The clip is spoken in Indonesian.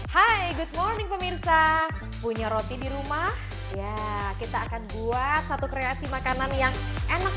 hai good morning pemirsa punya roti di rumah ya kita akan buat satu kreasi makanan yang enak